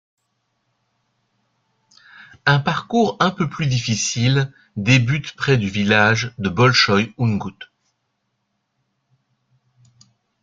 Un parcours un peu plus difficile débute près du village de Bolchoï Oungout.